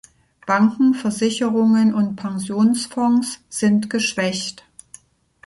Banken, Versicherungen und Pensionsfonds sind geschwächt.